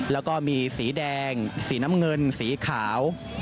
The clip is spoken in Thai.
แล้วก็มีสีแดงสีน้ำเงินสีขาว